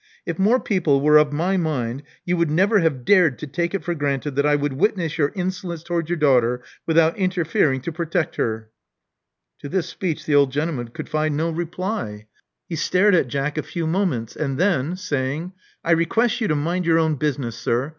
If more people were of my mind, you would never have dared to take it for granted that I would witness your insolence to wards your daughter without interfering to protect her. '' To this speech the old gentleman could find no reply. Love Among the Artists 63 He stared at Jack a few moments, and then, saying, I request you to mind your own business, sir.